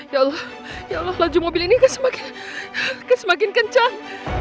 ya allah ya allah laju mobil ini semakin kencang